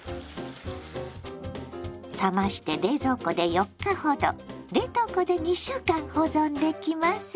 冷まして冷蔵庫で４日ほど冷凍庫で２週間保存できます。